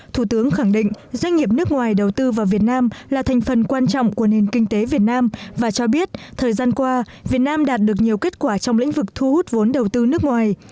thủ tướng khẳng định doanh nghiệp nước ngoài đầu tư vào việt nam là thành phần quan trọng của nền kinh tế việt nam và cho biết thời gian qua việt nam đạt được nhiều kết quả trong lĩnh vực thu hút vốn đầu tư nước ngoài